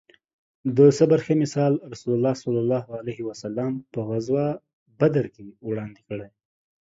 د صبر ښه مثال رسول الله ص په غزوه بدر کې وړاندې کړی